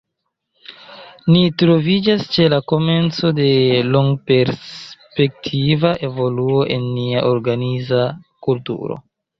Ni troviĝas ĉe la komenco de longperspektiva evoluo en nia organiza kulturo.